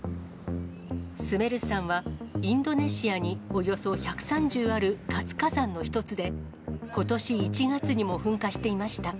スメル山はインドネシアにおよそ１３０ある活火山の一つで、ことし１月にも噴火していました。